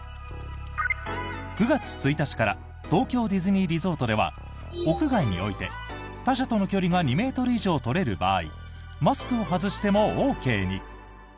９月１日から東京ディズニーリゾートでは屋外において他者との距離が２ｍ以上取れる場合マスクを外してもＯＫに。